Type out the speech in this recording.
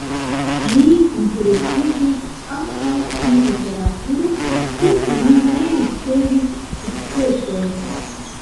Li interesiĝis ankaŭ pri literaturo, sed li ne ricevis sukcesojn.